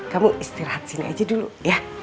kamu istirahat sini aja dulu ya